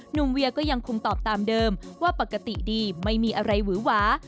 เวียก็ยังคงตอบตามเดิมว่าปกติดีไม่มีอะไรหวือหวา